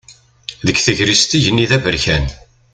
Deg tegrest igenni d aberkan.